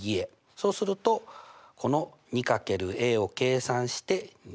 そうするとこの２×を計算して２。